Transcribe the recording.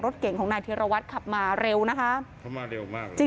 เก่งของนายธีรวัตรขับมาเร็วนะคะเขามาเร็วมากจริง